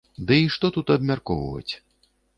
Ды і што тут абмяркоўваць?